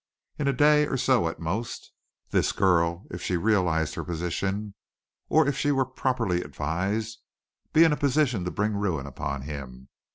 In a day or so at most, this girl might, if she realized her position, or if she were properly advised, be in a position to bring ruin upon him.